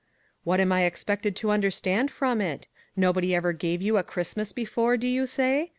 " What am I expected to understand from it? Nobody ever gave you a Christmas before, do you say?